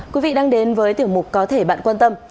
quý vị đang đến với tiểu mục có thể bạn quan tâm